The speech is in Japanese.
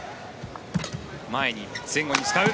前に、前後に使う。